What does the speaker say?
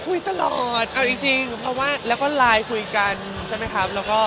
คุยตลอดเอาจริงแล้วก็ไลน์คุยกันใช่ไหมครับ